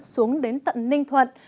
xuống đến tận ninh thuận